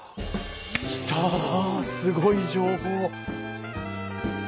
来たすごい情報！